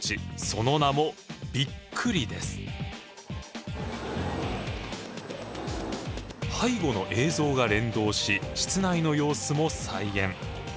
その名も背後の映像が連動し室内の様子も再現。